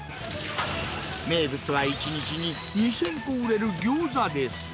名物は１日に２０００個売れるギョーザです。